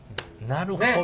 なるほど。